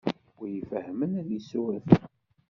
Win ifhmen ad yessuref.